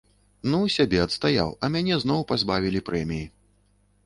Ну, сябе адстаяў, а мяне зноў пазбавілі прэміі.